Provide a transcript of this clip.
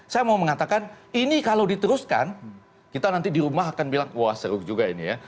saya mau mengatakan ini kalau diteruskan kita nanti di rumah akan bilang wah seru juga ini ya